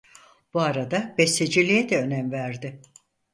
Bu arada besteciliğe de önem verdi.